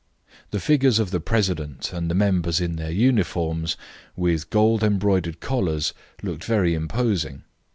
The figures of the president and the members in their uniforms, with gold embroidered collars, looked very imposing.